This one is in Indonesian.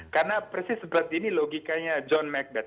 karena persis seperti ini logikanya john magdad